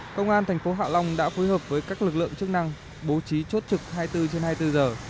công an thành phố hạ long đã phối hợp với các lực lượng chức năng bố trí chốt trực hai mươi bốn trên hai mươi bốn giờ